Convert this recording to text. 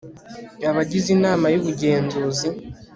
abagize inama y'ubugenzuzi